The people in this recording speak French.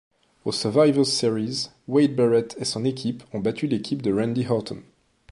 Au Survivors Series, Wade Barrett et son équipe ont battu l'équipe de Randy Orton.